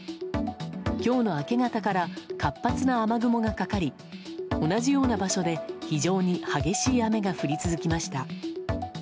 今日の明け方から活発な雨雲がかかり同じような場所で非常に激しい雨が降り続きました。